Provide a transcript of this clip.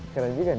keren juga nih